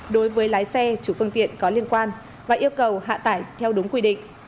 đối với lái xe chủ phương tiện có liên quan và yêu cầu hạ tải theo đúng quy định